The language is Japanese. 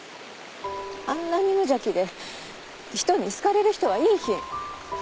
あんなに無邪気で人に好かれる人はいいひん。